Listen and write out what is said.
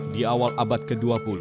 di awal abad ke dua puluh